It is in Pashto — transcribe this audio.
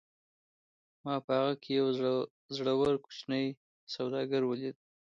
ما په هغه کې یو زړور کوچنی سوداګر ولید